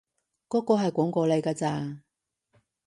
嗰個係廣告嚟㗎咋